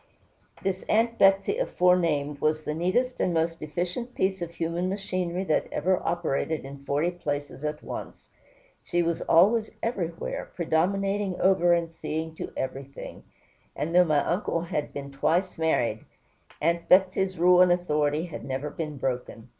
This Aunt Betsey aforenamed was the neatest and most efficient piece of human machinery that ever operated in forty places at once. She was always everywhere, predominating over and seeing to everything; and though my uncle had been twice married, Aunt Betsey's rule and authority had never been broken.